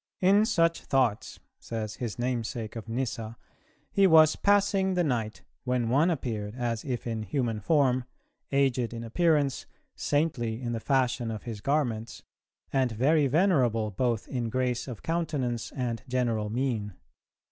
"In such thoughts," says his name sake of Nyssa, "he was passing the night, when one appeared, as if in human form, aged in appearance, saintly in the fashion of his garments, and very venerable both in grace of countenance and general mien.